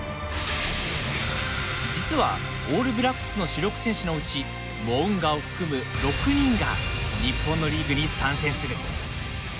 実はオールブラックスの主力選手のうちモウンガを含む６人が日本のリーグに参戦する。